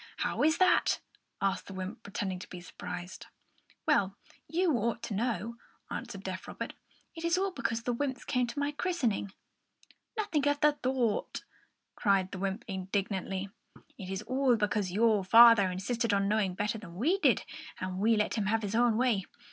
How is that?" asked the wymp, pretending to be surprised. "Well, you ought to know," answered deaf Robert. "It is all because the wymps came to my christening." "Nothing of the sort!" cried the wymp, indignantly. "It is all because your father insisted on knowing better than we did, and we let him have his own way.